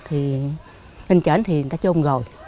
thì anh trần thì người ta trôn rồi